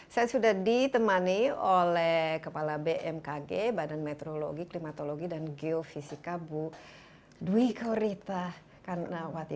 saya sudah ditemani oleh kepala bmkg badan meteorologi klimatologi dan geofisika bu dwi korita kanawati